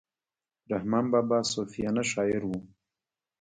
رحمان بابا صوفیانه شاعر وو.